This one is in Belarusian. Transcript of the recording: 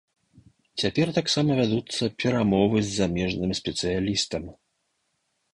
Цяпер таксама вядуцца перамовы з замежным спецыялістам.